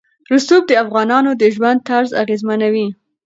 رسوب د افغانانو د ژوند طرز اغېزمنوي.